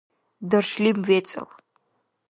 даршлим вецӀал